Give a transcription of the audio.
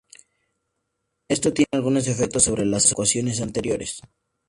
Esto tiene algunos efectos sobre las ecuaciones anteriores.